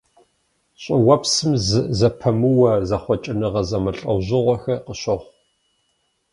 ЩӀыуэпсым зэпымыууэ зэхъукӀэныгъэ зэмылӀэужьыгъуэхэр къыщохъу.